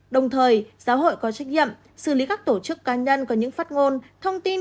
đồng thời giáo hội có trách nhiệm xử lý các tổ chức cá nhân có những phát ngôn thông tin